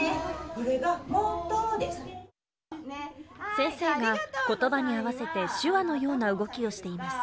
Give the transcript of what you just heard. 先生が言葉に合わせて手話のような動きをしています。